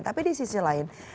tapi di sisi lain